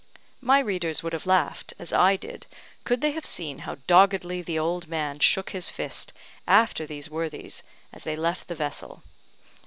My readers would have laughed, as I did, could they have seen how doggedly the old man shook his fist after these worthies as they left the vessel.